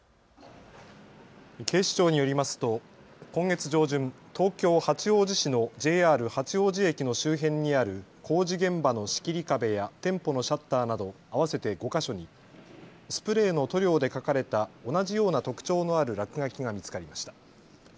警視庁によりますと今月上旬、東京八王子市のＪＲ八王子駅の周辺にある工事現場の仕切り壁や店舗のシャッターなど合わせて５か所にスプレーの塗料で書かれた同じような特徴のある落書きが見つかりました。